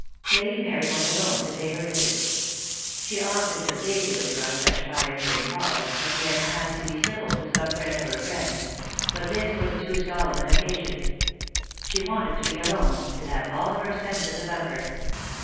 Lady Mary went alone to pay her visit. She often took Daisy with her on such pioneering calls, when she had been asked to be civil to some friend of her friends; but this was too solemn an occa sion. She wanted to be alone, to have all her senses about her.